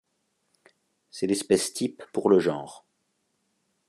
C'est l'espèce type pour le genre.